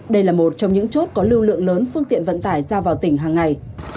đây là một trong những chút có lưu lượng lớn phương tiện vận tài ra vào tỉnh hàng ngày